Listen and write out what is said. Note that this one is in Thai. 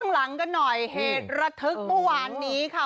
หลังกันหน่อยเหตุระทึกเมื่อวานนี้ค่ะ